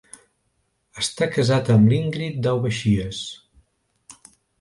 Està casat amb l'Ingrid Daubechies.